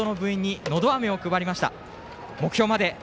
試合前に部員にのどあめを配りました。